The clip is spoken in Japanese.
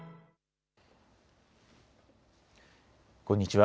こんにちは。